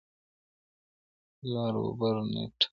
www.Larawbar.net